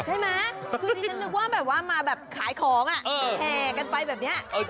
ใช่มั้ยคือดิฉันลึกว่ามาแบบขายของอะแห่กันไปแบบเนี่ย